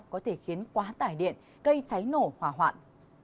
có thể khiến quá tải điện gây cháy nổ hỏa hoạn